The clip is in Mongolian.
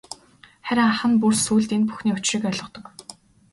Харин ах нь бүр сүүлд энэ бүхний учрыг ойлгодог.